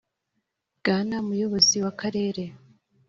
Bwana Muyobozi w Akarere